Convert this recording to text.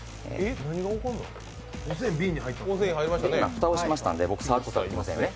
今、蓋をしましたので僕、触ることができませんね。